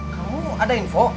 kau ada info